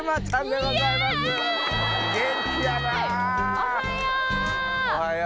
おはよう。